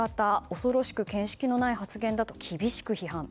恐ろしく見識のない発言だと厳しく批判。